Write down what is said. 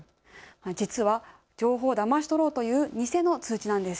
実は情報をだまし取ろうという偽の通知なんです。